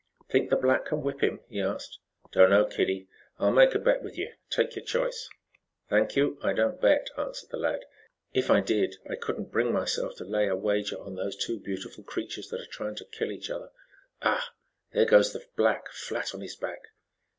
"Think the black can whip him?" he asked. "Don't know, kiddie. I'll make a bet with you; take your choice." "Thank you, I don't bet," answered the lad. "If I did, I couldn't bring myself to lay a wager on those two beautiful creatures that are trying to kill each other. Ah! There goes the black flat on his back!"